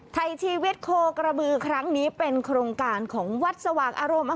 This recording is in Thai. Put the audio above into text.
ไทยชีวิตโคกระบือครั้งนี้เป็นโครงการของวัดสว่างอารมณ์